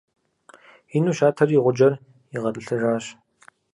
Ину щатэри, гъуджэр игъэтӀылъыжащ.